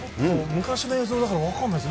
昔の映像だから分かんないですね。